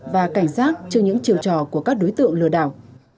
và cảnh giác trước những chiều trò của các đối tượng lừa đảo